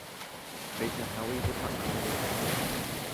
Péichahágui ipopa'ã nderehe